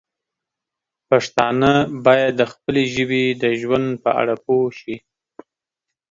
پښتانه باید د خپلې ژبې د ژوند په اړه پوه شي.